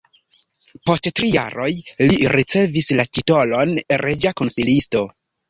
Post tri jaroj li ricevis la titolon reĝa konsilisto.